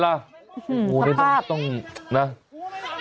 ทางเข้าไปเพราะว่าถ้าเราเข้าไปอ่ะ